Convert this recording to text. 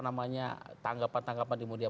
namanya tanggapan tanggapan di media